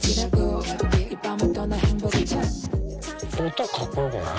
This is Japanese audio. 音かっこよくない？